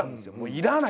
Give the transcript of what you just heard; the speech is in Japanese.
「要らない」